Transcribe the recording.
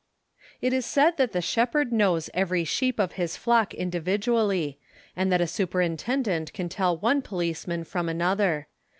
It is said that the shepherd knows every sheep of his flock individually, and that a superintendent can tell one policeman from another.